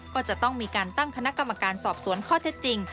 ก็จะต้องมีการตั้งคณะกรรมการสอบสวนข้อเท็จจริง